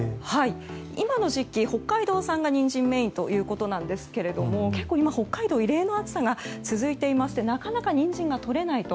今の時期、北海道産がニンジンがメインということですが結構今、北海道異例の暑さが続いていましてなかなかニンジンが採れないと。